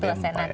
ketua senat ya